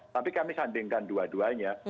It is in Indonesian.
tapi kami sandingkan dua duanya